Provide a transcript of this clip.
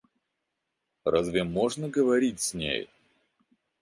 Разве можно говорить с ней?